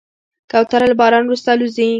کوتره له باران وروسته الوزي.